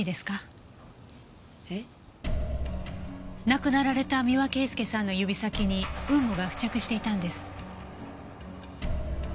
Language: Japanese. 亡くなられた三輪圭祐さんの指先に雲母が付着していたんです。